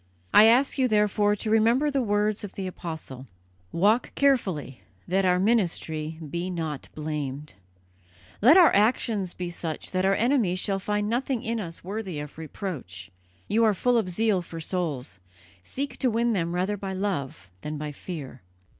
I ask you, therefore, to remember the words of the Apostle: 'Walk carefully, that our ministry be not blamed'; let our actions be such that our enemies shall find nothing in us worthy of reproach. You are full of zeal for souls: seek to win them rather by love than by fear.